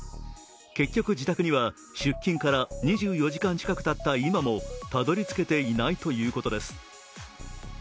結局自宅には出勤から２４時間近くたった今もたどり着けていないということです。